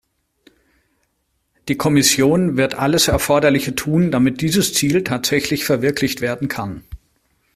Die Kommission wird alles Erforderliche tun, damit dieses Ziel tatsächlich verwirklicht werden kann.